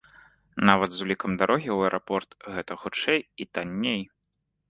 Нават з улікам дарогі ў аэрапорт гэта хутчэй і танней!